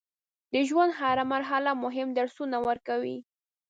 د ژوند هره مرحله مهم درسونه ورکوي.